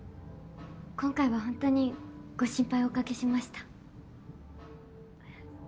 今回は本当にご心配おかけしました。